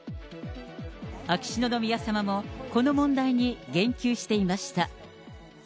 秋篠宮さまもこの問題に言及していました。